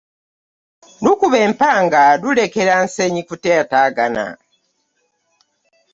Lukuba empanga lulekera nsenyikutataagana .